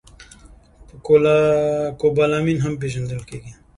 په کوبالامین هم پېژندل کېږي